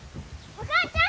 ・お母ちゃん！